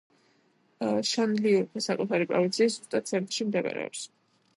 შანლიურფა საკუთარი პროვინციის ზუსტად ცენტრში მდებარეობს.